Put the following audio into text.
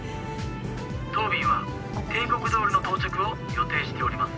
当便は定刻通りの到着を予定しております。